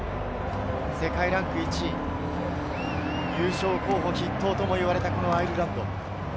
世界ランク１位、優勝候補筆頭とも言われたアイルランド。